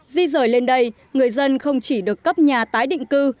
di rời lên đây người dân không chỉ được cấp nhà tái định cư